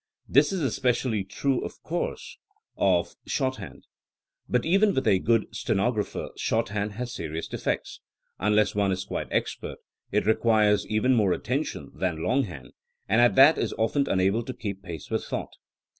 This is especially true, of course, of THINEINa AS A SCIENCE 79 shorthand. But even with a good stenographer shorthand has serious defects. Unless one is quite expert it requires even more attention than longhand, and at that is often unable to keep pace with thought.